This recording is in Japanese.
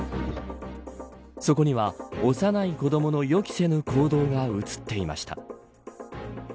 そこには幼い子どもの予期せぬ行動が映っていました。